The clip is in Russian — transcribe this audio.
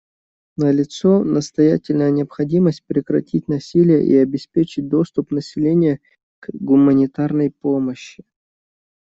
Налицо настоятельная необходимость прекратить насилие и обеспечить доступ населения к гуманитарной помощи.